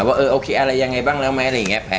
ว่าโอเคอะไรยังไงบ้างแล้วค่ะ